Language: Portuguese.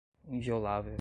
inviolável